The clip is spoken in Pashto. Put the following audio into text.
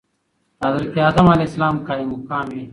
دحضرت ادم عليه السلام قايم مقام وي .